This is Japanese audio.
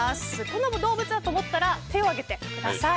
この動物だと思ったら手を挙げてください。